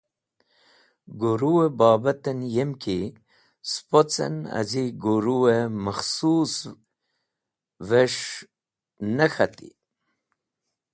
Guru-e bobat yem ki spocen az̃i guru-e makhsus’ves̃h ne k̃hati.